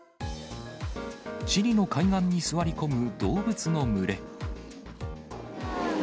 チリの海岸に座り込む動物の群れ。